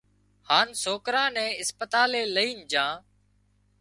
هانَ سوڪرا نين اسپتالئي لائينَ جھان